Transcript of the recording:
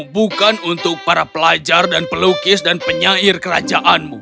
bukan untuk para pelajar dan pelukis dan penyair kerajaanmu